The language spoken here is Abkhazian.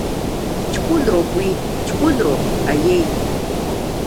Ҷкәынроуп уи, ҷкәынроуп, аиеи.